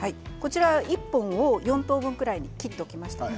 １本を４等分ぐらいに切っておきました。